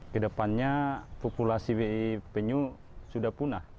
ke depannya populasi penyu sudah punah